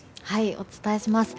お伝えします。